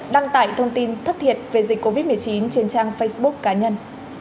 đăng tải thông tin thất thiệt về dịch covid một mươi chín trên trang facebook cá nhân